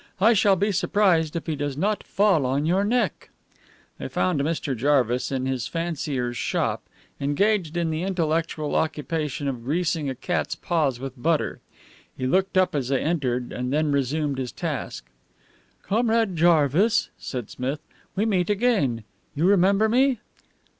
I shall be surprised if he does not fall on your neck." They found Mr. Jarvis in his fancier's shop, engaged in the intellectual occupation of greasing a cat's paws with butter. He looked up as they entered, and then resumed his task. "Comrade Jarvis," said Smith, "we meet again. You remember me?"